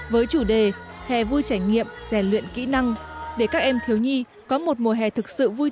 với chủ đề hè vui trải nghiệm rèn luyện kỹ năng để các em thiếu nhi có một mùa hè thực sự vui tươi